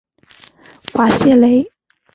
瓦谢雷。